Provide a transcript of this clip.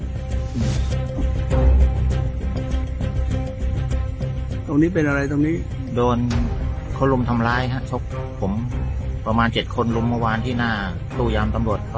ตรงนี้เป็นอะไรตรงนี้โดนเขารุมทำร้ายฮะชกผมประมาณ๗คนลุมเมื่อวานที่หน้าตู้ยามตำรวจ